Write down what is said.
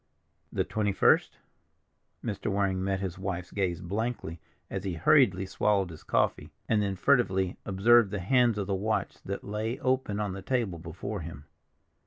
"The twenty first?" Mr. Waring met his wife's gaze blankly as he hurriedly swallowed his coffee, and then furtively observed the hands of the watch that lay open on the table before him.